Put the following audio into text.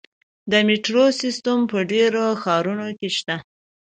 د میټرو سیستم په ډیرو ښارونو کې شته.